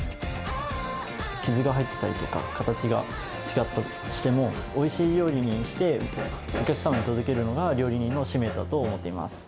傷が入ってたりとか、形が違ったとしても、おいしい料理にして、お客様に届けるのが料理人の使命だと思っています。